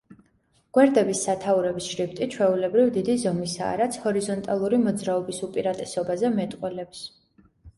გვერდების სათაურების შრიფტი, ჩვეულებრივ, დიდი ზომისაა, რაც ჰორიზონტალური მოძრაობის უპირატესობაზე მეტყველებს.